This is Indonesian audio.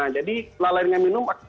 jadi lalai dengan minum